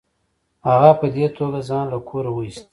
هغه په دې توګه ځان له کوره وایست.